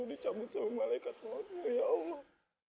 dicabut sama malaikat keluarga ya allah